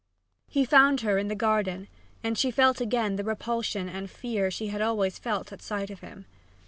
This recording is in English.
He found her in the garden, and she felt again the repulsion and fear she had always felt at sight of him.